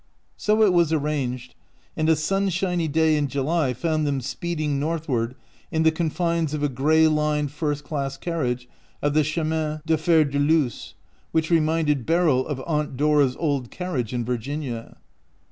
So it was arranged, and a sunshiny day in July found them speeding northward in the confines of a gray lined first class carriage of the Chemin de fer de VOust y which re minded Beryl of Aunt Dora's old carriage in Virginia.